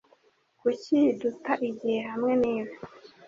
Kuki duta igihe hamwe nibi?